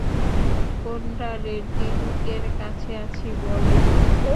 কোন্ডারেড্ডি দুর্গের কাছে আছি, বলো।